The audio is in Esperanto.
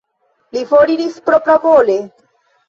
Li foriris propravole?